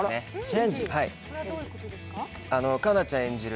環奈ちゃん演じる